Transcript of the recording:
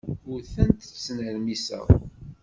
Ur tent-ttnermiseɣ.